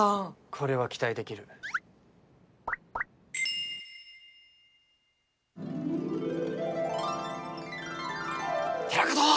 これは期待できる寺門！